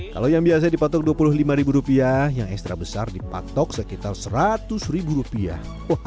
kalau yang biasa dipatok dua puluh lima ribu rupiah yang ekstra besar dipatok sekitar seratus ribu rupiah